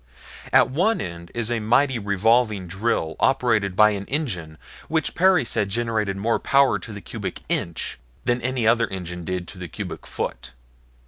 At one end is a mighty revolving drill operated by an engine which Perry said generated more power to the cubic inch than any other engine did to the cubic foot.